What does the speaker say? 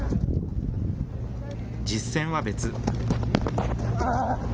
実践は別。